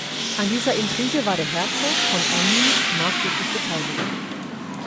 An dieser Intrige war der Herzog von Orleans maßgeblich beteiligt.